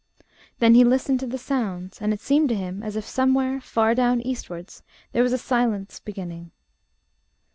Then he listened to the sounds, and it seemed to him as if somewhere, far down eastwards, there was a silence beginning.